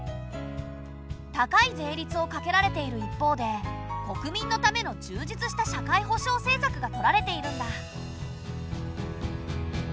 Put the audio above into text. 高い税率をかけられている一方で国民のための充実した社会保障政策がとられているんだ。